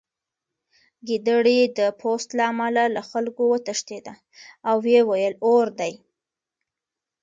ګیدړې د پوست له امله له خلکو وتښتېده او ویې ویل اور دی